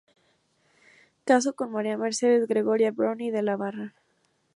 Casó con María Mercedes Gregoria Brown y de la Barra.